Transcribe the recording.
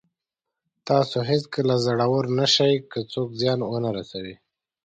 تاسو هېڅکله زړور نه شئ که څوک زیان ونه رسوي.